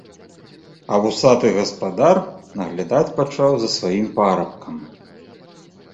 А вусаты гаспадар наглядаць пачаў за сваім парабкам.